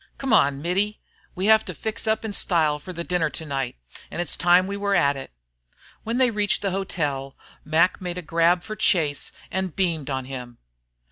"Come, Mittie, we must fix up in style for the dinner to night, and it's time we were at it." When they reached the hotel Mac made a grab for Chase and beamed on him.